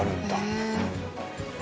へえ。